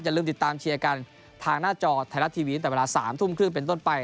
ลืมติดตามเชียร์กันทางหน้าจอไทยรัฐทีวีแต่เวลา๓ทุ่มครึ่งเป็นต้นไป